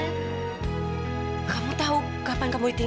tadi psychiatric flank itu di bawah